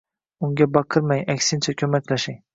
unga baqirmang, aksincha, ko‘maklashing.